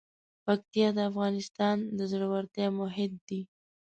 پکتیا د افغانستان د زړورتیا مهد دی.